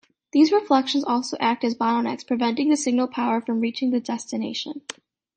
These reflections also act as bottlenecks, preventing the signal power from reaching the destination.